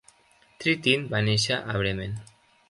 Trittin va néixer a Bremen.